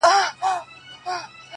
• نظرونه دي زر وي خو بیرغ باید یو وي -